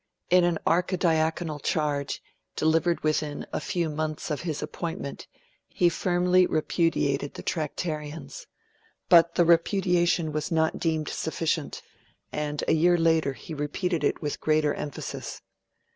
In an archidiaconal charge, delivered within a few months of his appointment, he firmly repudiated the Tractarians. But the repudiation was not deemed sufficient, and a year later he repeated it with greater emphasis.